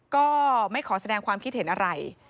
ก็ไม่ขอแสดงความคิดเห็นอะไร